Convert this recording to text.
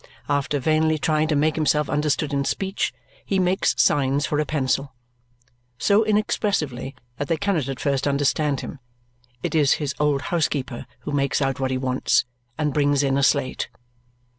After vainly trying to make himself understood in speech, he makes signs for a pencil. So inexpressively that they cannot at first understand him; it is his old housekeeper who makes out what he wants and brings in a slate.